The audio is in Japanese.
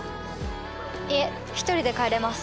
いえ一人で帰れます。